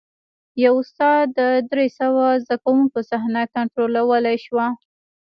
یوه استاد د درې سوه زده کوونکو صحنه کنټرولولی شوه.